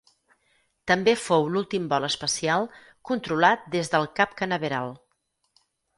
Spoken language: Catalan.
També fou l'últim vol espacial controlat des del Cap Canaveral.